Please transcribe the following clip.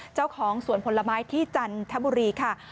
เจ้าของสวนผลไม้ที่จันทบุรีค่ะ